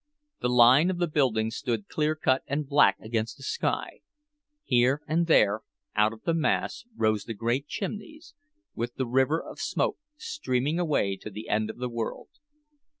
The line of the buildings stood clear cut and black against the sky; here and there out of the mass rose the great chimneys, with the river of smoke streaming away to the end of the world.